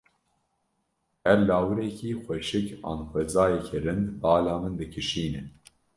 Her lawirekî xweşik an xwezayeke rind bala min dikişîne.